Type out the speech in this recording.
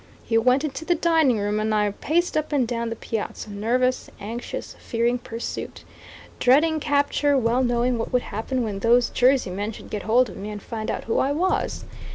He went into the dining room, and I paced up and down the piazza, nervous, anxious, fearing pursuit, dreading capture, well knowing what would happen when those Jerseymen should get hold of me and find out who I was.